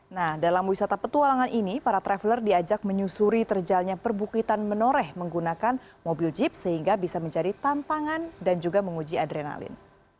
nah dalam wisata petualangan ini para traveler diajak menyusuri terjalnya perbukitan menoreh menggunakan mobil jeep sehingga bisa menjadi tantangan dan juga menguji adrenalin